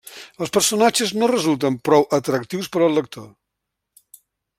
Els personatges no resulten prou atractius per al lector.